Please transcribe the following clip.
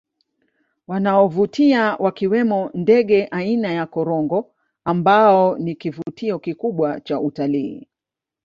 Wanaovutia wakiwemo ndege aina ya Korongo ambao ni kivutio kikubwa cha utalii